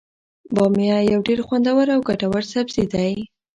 بامیه یو ډیر خوندور او ګټور سبزي دی.